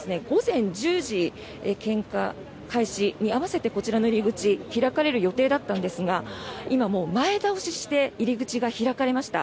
午前１０時、献花開始に合わせてこちらの入り口が開かれる予定だったんですが今、前倒しして入り口が開かれました。